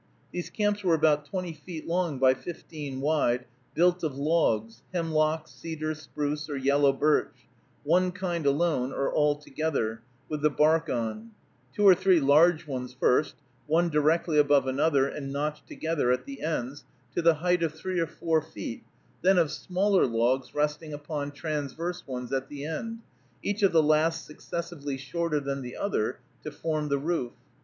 These camps were about twenty feet long by fifteen wide, built of logs, hemlock, cedar, spruce or yellow birch, one kind alone, or all together, with the bark on; two or three large ones first, one directly above another, and notched together at the ends, to the height of three or four feet, then of smaller logs resting upon transverse ones at the ends, each of the last successively shorter than the other, to form the roof.